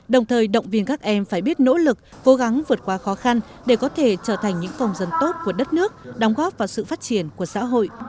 đồng thời động viên các em phải biết nỗ lực cố gắng vượt qua khó khăn để có thể trở thành những phòng dân tốt của đất nước đóng góp vào sự phát triển của xã hội